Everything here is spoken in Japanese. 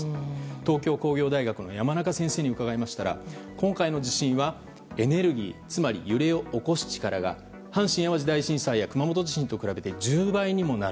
東京工業大学の先生に伺いましたが今回の地震はエネルギーつまり揺れを起こす力が阪神・淡路大震災や熊本地震と比べて１０倍にもなる。